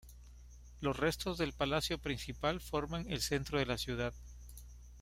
Los restos del palacio principal forman el centro de la ciudad.